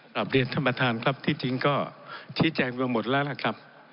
กลับเรียนท่านประธานครับที่จริงก็ชี้แจงไปหมดแล้วล่ะครับ